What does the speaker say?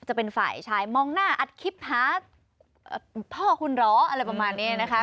จะเป็นฝ่ายชายมองหน้าอัดคลิปหาพ่อคุณเหรออะไรประมาณนี้นะคะ